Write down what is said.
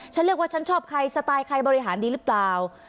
ฉันเรียกว่าฉันชอบใครสไตล์ใครบริหารดีหรือเปล่า